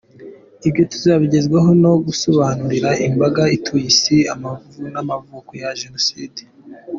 Ibyo tuzabigezwaho no gusobanurira imbaga ituye Isi amavu n’amavuko ya Jenoside.